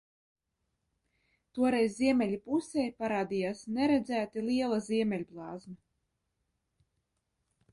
Toreiz ziemeļu pusē parādījās neredzēti liela ziemeļblāzma.